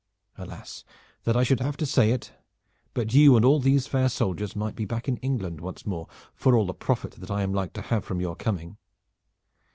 "Alas; that I should have to say it, but you and all these fair soldiers might be back in England once more for all the profit that I am like to have from your coming.